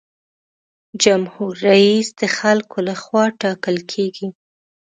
جمهور رئیس د خلکو له خوا ټاکل کیږي.